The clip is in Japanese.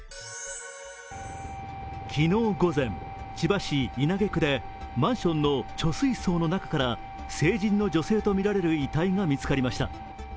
昨日午前、千葉市稲毛区でマンションの貯水槽の中から成人の女性とみられる遺体が見つかりました。